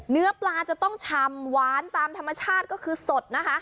เนื้อปลาจะต้องชำหวานตามธรรมชาติก็คือสดนะคะ